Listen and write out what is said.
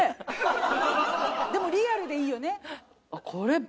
でもリアルでいいよね。